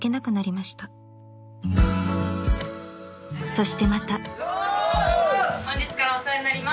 ［そしてまた］